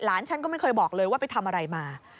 ฉันก็ไม่เคยบอกเลยว่าไปทำอะไรมา